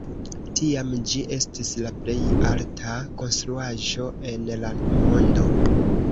Tiam ĝi estis la plej alta konstruaĵo en la mondo.